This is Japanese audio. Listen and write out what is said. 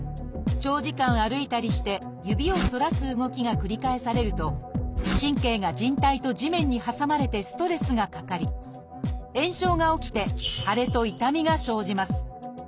長時間歩いたりして指を反らす動きが繰り返されると神経がじん帯と地面に挟まれてストレスがかかり炎症が起きて腫れと痛みが生じます。